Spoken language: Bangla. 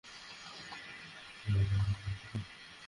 ভারতবর্ষে মা কখনই শাস্তি দেন না।